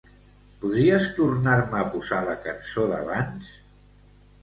Podries tornar-me a posar la cançó d'abans?